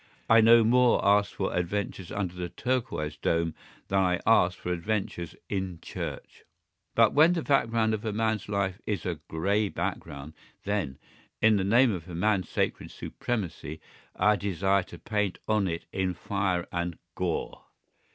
I no more ask for adventures under that turquoise dome than I ask for adventures in church. But when the background of man's life is a grey background, then, in the name of man's sacred supremacy, I desire to paint on it in fire and gore.